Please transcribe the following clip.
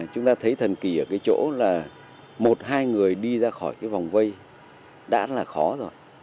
chúng ta thấy thần kỳ ở cái chỗ là một hai người đi ra khỏi cái vòng vây đã là khó rồi